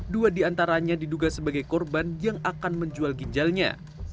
sementara nya diduga sebagai korban yang akan menjual ginjalnya